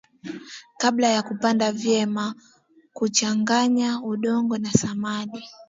kabla ya kupanda vyema kuchanganya udongo na samadi